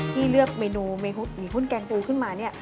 ที่เลือกเมนูเมฮุหิวขุมกแกงปูขึ้นมาเนี่ย